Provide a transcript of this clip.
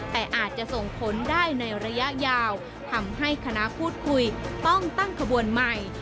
แต่อาจจะส่งผลได้ในระยะยาวทำให้คณะพูดคุยต้องตั้งขบวนใหม่